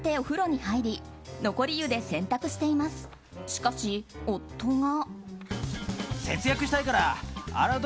しかし、夫が。